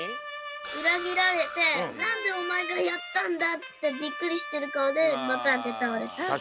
うらぎられて「なんでおまえがやったんだ？」ってビックリしてるかおでバタンってたおれた。